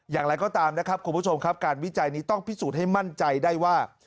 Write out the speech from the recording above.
อย่างไรก็ตามนะครับคุณผู้ชมครับการวิจัยนี้ต้องพิสูจน์ให้มั่นใจได้ว่า